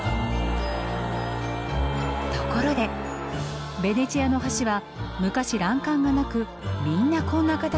ところでベネチアの橋は昔欄干がなくみんなこんな形をしていたそうです。